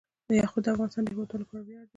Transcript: یاقوت د افغانستان د هیوادوالو لپاره ویاړ دی.